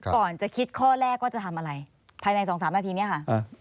ก่อนจะคิดข้อแรกว่าจะทำอะไรภายใน๒๓นาทีเนี่ยค่ะ